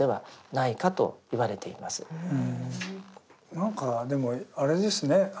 何かでもあれですね